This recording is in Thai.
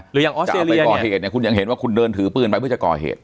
หรือยังออสเตรียเนี้ยจะเอาไปก่อเหตุเนี้ยคุณยังเห็นว่าคุณเดินถือปืนไปเพื่อจะก่อเหตุ